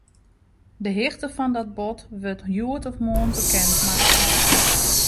De hichte fan dat bod wurdt hjoed of moarn bekendmakke.